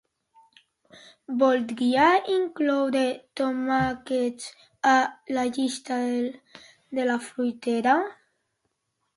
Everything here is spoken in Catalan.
Voldria incloure tomàquets a la llista de la fruiteria.